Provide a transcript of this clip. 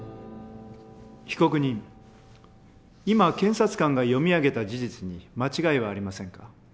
被告人今検察官が読み上げた事実に間違いはありませんか？